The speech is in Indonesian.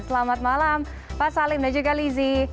selamat malam pak salim dan juga lizzy